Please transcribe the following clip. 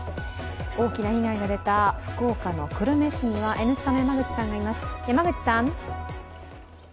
大きな被害が出た福岡の久留米市には「Ｎスタ」の山口さんがいます。